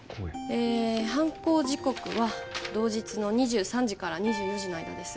犯行時刻は同日の２３時から２４時の間です